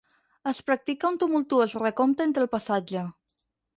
Es practica un tumultuós recompte entre el passatge.